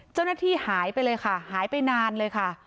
เจ้าหน้าที่หายไปเลยค่ะหายไปนานเลยค่ะ